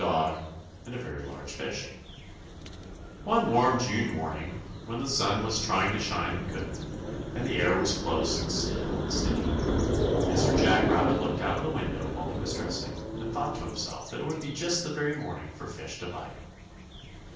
DOG AND A VERY LARGE FISH One warm June morning, when the sun was trying to shine and couldn't, and the air was close and still and sticky, Mr. Jack Rabbit looked out of the window while he was dressing and thought to himself that it would be just the very morning for fish to bite.